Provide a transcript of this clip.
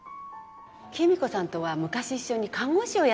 貴美子さんとは昔一緒に看護師をやってたの。